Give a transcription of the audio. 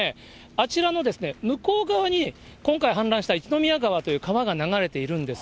あちらの向こう側に、今回氾濫した一宮川という川が流れているんです。